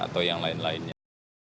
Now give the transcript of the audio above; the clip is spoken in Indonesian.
atau yang lain lainnya